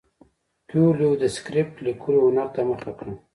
کویلیو د سکرېپټ لیکلو هنر ته مخه کړه.